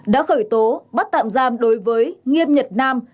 đã khởi tố bắt tạm giam đối với nghiêm nhật nam